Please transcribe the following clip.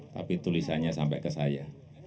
tapi tulisannya sampai ke saya